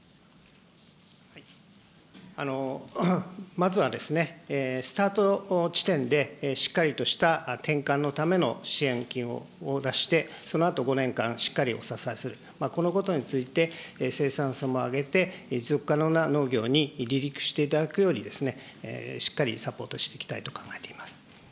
まずは、スタート地点でしっかりとした転換のための支援金を出して、そのあと５年間、しっかりお支えする、このことについて生産性も上げて、持続可能な農業に離陸していただくように、しっかりサポートしていきたいと考え